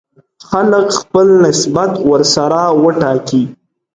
خلک خپل نسبت ورسره وټاکي.